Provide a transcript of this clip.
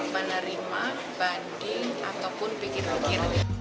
menerima banding ataupun pikir pikir